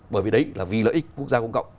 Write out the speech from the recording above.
bởi vì đấy là vì lợi ích quốc gia công cộng